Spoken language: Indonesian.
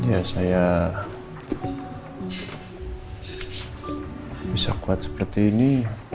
ya saya bisa kuat seperti ini